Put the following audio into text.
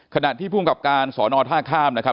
ขณะที่ภูมิกับการสอนอท่าข้ามนะครับ